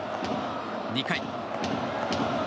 ２回。